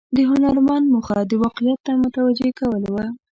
د هنرمند موخه د واقعیت ته متوجه کول و.